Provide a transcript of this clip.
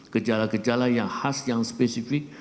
gejala gejala yang khas yang spesifik